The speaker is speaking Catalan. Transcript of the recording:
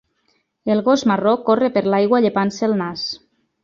El gos marró corre per l'aigua llepant-se el nas.